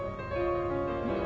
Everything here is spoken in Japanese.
うん？